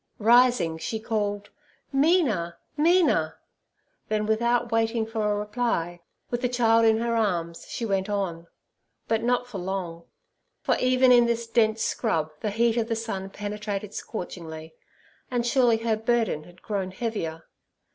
Rising, she called, 'Mina, Mina!' Then, without waiting for a reply, with the child in her arms, she went on; but not for long, for even in this dense scrub the heat of the sun penetrated scorchingly, and surely her burden had grown heavier.